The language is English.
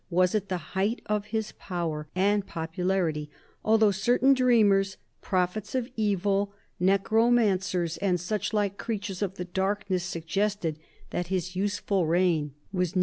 was at the height of his power and popularity, although certain dreamers, prophets of evil, necromancers, and such like creatures of the darkness, suggested that his useful reign was near 26 FROM AN ENGI';AVING AFTEU THE PICTURE I'.